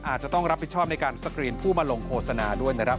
อาจจะต้องรับผิดชอบในการสกรีนผู้มาลงโฆษณาด้วยนะครับ